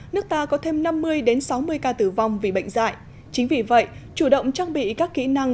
nước ta có thêm năm mươi sáu mươi ca tử vong vì bệnh dạy chính vì vậy chủ động trang bị các kỹ năng